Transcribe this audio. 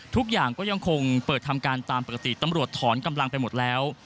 ทุกอย่างก็ยังคงเปิดทำการตามปกติตำรวจถอนกำลังไปหมดแล้ว